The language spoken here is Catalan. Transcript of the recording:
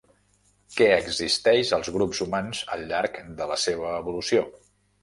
Què existeix als grups humans al llarg de la seva evolució?